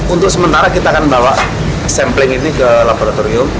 untuk sementara kita akan bawa sampling ini ke laboratorium